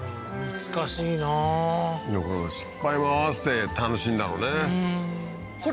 難しいな失敗も合わせて楽しいんだろうね